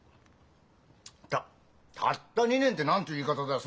「たった２年」ってなんていう言い方だよ！